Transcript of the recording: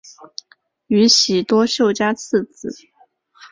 宇喜多秀家次子。